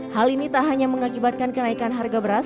hal ini tak hanya mengakibatkan kenaikan harga beras